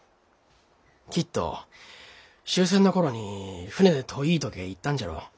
きっと終戦の頃に船で遠いとけえ行ったんじゃろう。